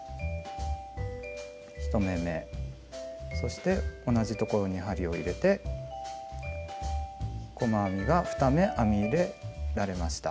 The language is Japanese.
１目めそして同じところに針を入れて細編みが２目編み入れられました。